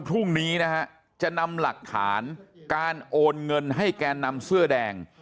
พรุ่งนี้นะฮะจะนำหลักฐานการโอนเงินให้แกนนำเสื้อแดง